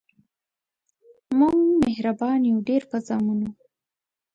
مونږ مهربان یو ډیر په زامنو